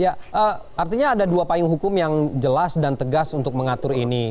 ya artinya ada dua payung hukum yang jelas dan tegas untuk mengatur ini